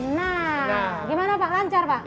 nah gimana pak lancar pak